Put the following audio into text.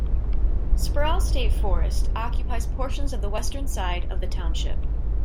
Sproul State Forest occupies portions of the western side of the township.